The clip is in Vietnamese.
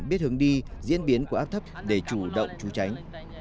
biết hướng đi diễn biến của áp thấp để chủ động trú tránh